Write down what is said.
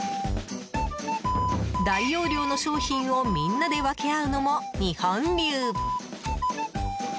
大容量の商品をみんなで分け合うのも日本流。